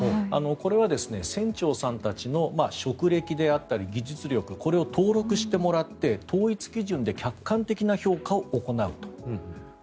これは船長さんたちの職歴であったり技術力これを登録してもらって統一基準で客観的な評価を行うと。